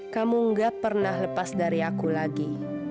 kamu gak pernah lepas dari aku lagi